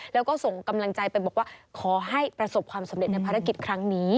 แล้วก็ส่งกำลังใจไปบอกว่าขอให้ประสบความสำเร็จในภารกิจครั้งนี้